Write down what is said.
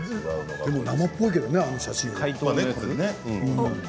でも生っぽいけどねあの写真。